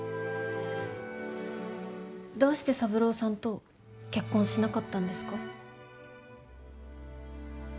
どうして三郎さんと結婚しなかったんですか？